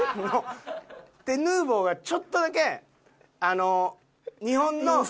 でヌーボーがちょっとだけ日本の。